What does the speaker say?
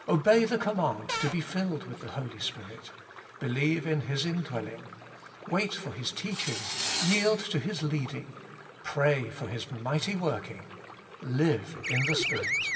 '"■""' 3. Obey the command to be filled with the Holy Spirit. Believe in His indwelling. Wait for His teaching. Yield to His leading. Pray for His mighty working. Live in the Spirit.